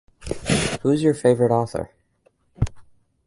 Who's your favourite author?